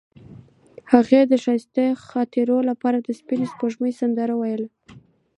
هغې د ښایسته خاطرو لپاره د سپین سپوږمۍ سندره ویله.